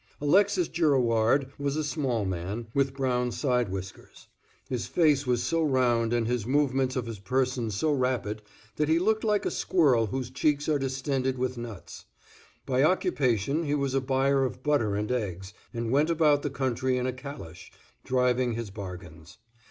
Alexis Girouard was a small man, with brown side whiskers; his face was so round, and the movements of his person so rapid, that he looked like a squirrel whose cheeks are distended with nuts. By occupation he was a buyer of butter and eggs, and went about the country in a calash, driving his bargains.